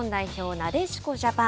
なでしこジャパン。